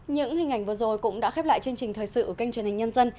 những hình ảnh vừa rồi cũng đã khép lại chương trình thời sự của kênh truyền hình nhân dân